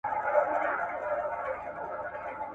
سختۍ به په وخت سره تېرې شي.